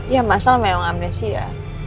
ya mas al memang amnesia